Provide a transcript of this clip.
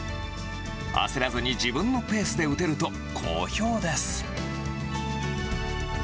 焦らずに自分のペースで打てると、好評です。